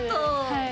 はい。